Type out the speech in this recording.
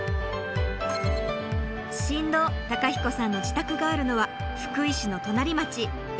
新郎公彦さんの自宅があるのは福井市の隣町永平寺町。